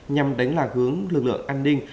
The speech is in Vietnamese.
nhằm đánh lạc hướng lực lượng an ninh